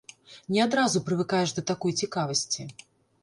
Не адразу прывыкаеш да такой цікавасці.